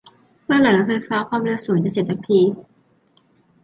เมื่อไหร่รถไฟฟ้าความเร็วสูงจะเสร็จสักที